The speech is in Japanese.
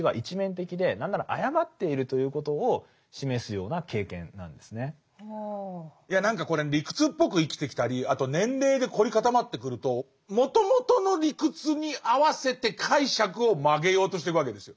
それに対していや何かこれ理屈っぽく生きてきたりあと年齢で凝り固まってくるともともとの理屈に合わせて解釈を曲げようとしていくわけですよ。